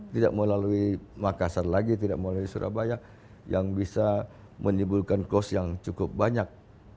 tidak melalui makassar lagi tidak melalui surabaya yang bisa menimbulkan cost yang cukup banyak